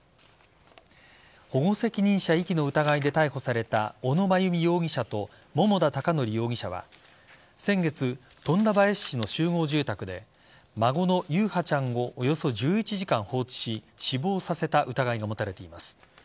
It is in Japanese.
保護責任者遺棄の疑いで逮捕された小野真由美容疑者と桃田貴徳容疑者は先月、富田林市の集合住宅で孫の優陽ちゃんをおよそ１１時間放置し死亡させた疑いが持たれています。